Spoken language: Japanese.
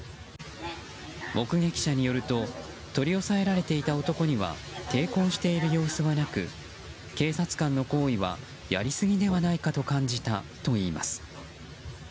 目撃者によると取り押さえられていた男性に抵抗している様子はなく警察官の行為はやりすぎではないかと感じたといいます。